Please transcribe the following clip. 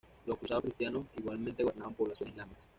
Los cruzados cristianos igualmente gobernaban poblaciones islámicas.